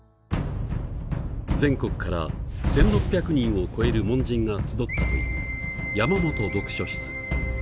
全国から１，６００人を超える門人が集ったという山本読書室。